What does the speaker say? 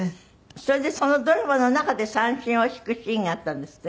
それでそのドラマの中で三線を弾くシーンがあったんですって？